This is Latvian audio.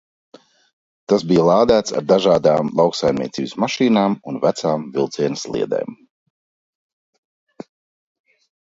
Tas bija lādēts ar dažādām lauksaimniecības mašīnām un vecām vilciena sliedēm.